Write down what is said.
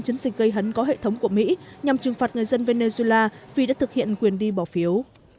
chiến dịch gây hấn có hệ thống của mỹ nhằm trừng phạt người dân venezuela vì đã thực hiện quyền đi bỏ phiếu